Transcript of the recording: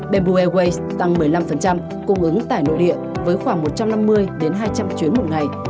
bembu airways tăng một mươi năm cung ứng tại nội địa với khoảng một trăm năm mươi hai trăm linh chuyến mùng ngày